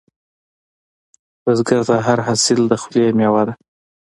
بزګر ته هر حاصل د خولې میوه ده